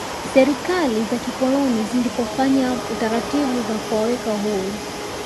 serikali za kikoloni zilipofanya taratibu za kuwaweka huru